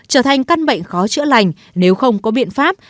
trở thành căn bệnh khó chữa lành nếu không có biện pháp